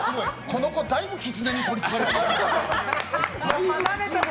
この子、だいぶきつねに取り付かれてる。